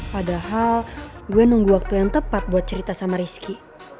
padahal gue nunggu waktu yang tepat buat cerita sama rizky